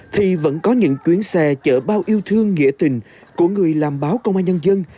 thì vẫn có những chuyến xe chở bao yêu thương nghĩa tình của người làm báo công an nhân dân